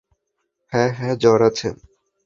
হ্যাঁ, হ্যাঁ জ্বর আছে।